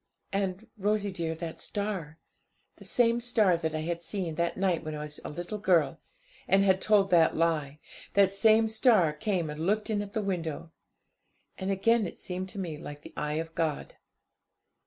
And, Rosie dear, that star the same star that I had seen that night when I was a little girl, and had told that lie that same star came and looked in at the window. And again it seemed to me like the eye of God.